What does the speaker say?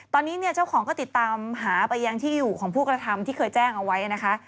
ตอนนี้เนี่ยเจ้าของก็ติดตามหาไปยังที่อยู่ของผู้กระทำที่เคยแจ้งเอาไว้นะคะ